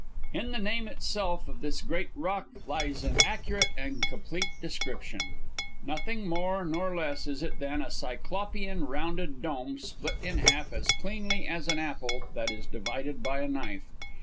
In the name itself of this great rock lies an accurate and complete description. Nothing more nor less is it than a cyclopean, rounded dome, split in half as cleanly as an apple that is divided by a knife.